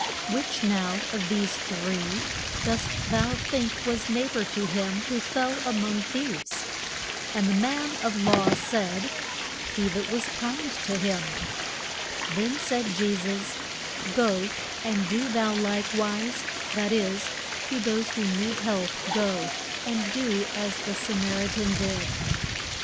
Which now of these three dost thou think was neigh bor to him who fell a mong thieves? [Illustration: THE GOOD SAM AR I TAN.] And the man of law said, He that was kind to him. Then said Je sus, Go, and do thou like wise; that is, to those who need help go and do as the Sa mar i tan did.